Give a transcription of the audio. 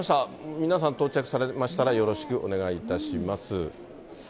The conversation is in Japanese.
皆さん到着されましたら、よろしくお願いいたします。